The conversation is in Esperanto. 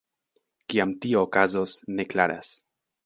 Kiam tio okazos, ne klaras.